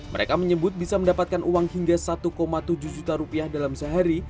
mereka menyebut bisa mendapatkan uang hingga satu tujuh juta rupiah dalam sehari